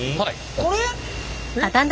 これ。